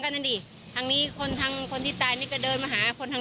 นั่นดิทางนี้คนทางคนที่ตายนี่ก็เดินมาหาคนทาง